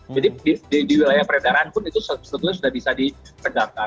jadi di wilayah peredaran pun itu sebetulnya sudah bisa ditegakkan